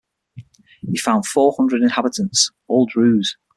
He found four hundred inhabitants, all Druze.